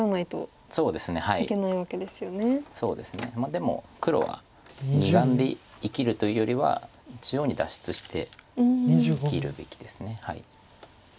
でも黒は２眼で生きるというよりは中央に脱出して生きるべきです。